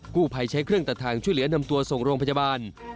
กู้ภัยใช้เครื่องตัดทางช่วยเหลือนำตัวส่งโรงพยาบาล